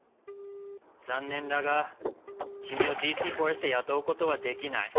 残念だが君をＤＣフォレストで雇うことはできない。